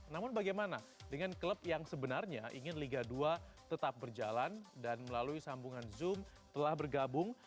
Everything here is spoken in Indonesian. namun bagaimana dengan klub yang sebenarnya ingin liga dua tetap berjalan dan melalui sambungan zoom telah bergabung